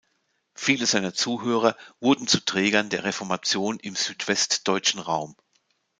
Viele seiner Zuhörer wurden zu Trägern der Reformation im südwestdeutschen Raum.